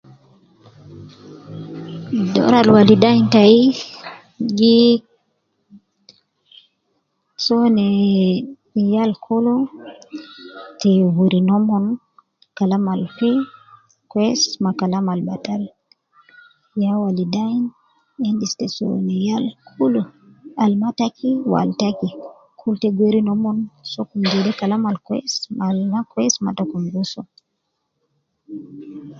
Doru alwaliden ta gi so ne ee yal kulu te weri nomon kalam al fi kwesi ma kalam albatal ya waliden indis te so na yal kulu al ma taki wual taki kul tegiweri nomon sokum jede kalam alkwesi ma al makwesi matokum giso.